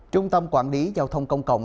trung tâm quản lý giao thông công cộng